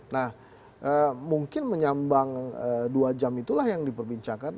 nah mungkin menyambang dua jam itulah yang diperbincangkan